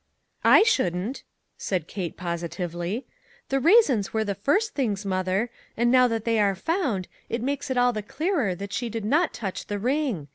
" I shouldn't," said Kate positively. " The raisins were the first things, mother, and now that they are found, it makes it all the clearer that she did not touch the ring.